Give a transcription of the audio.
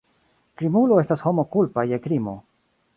Krimulo estas homo kulpa je krimo.